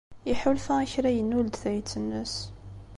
Iḥulfa i kra yennul-d tayet-nnes.